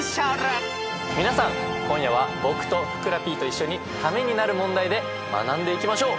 皆さん今夜は僕とふくらＰと一緒にためになる問題で学んでいきましょう。